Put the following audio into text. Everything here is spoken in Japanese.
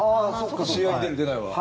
試合に出る、出ないは。